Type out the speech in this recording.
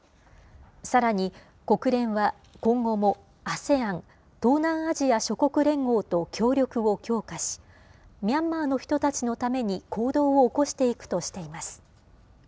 さらに国連は今後も、ＡＳＥＡＮ・東南アジア諸国連合と協力を強化し、ミャンマーの人たちのために行動を起こしていくとしています。